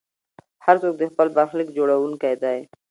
هر څوک د خپل برخلیک جوړونکی دی.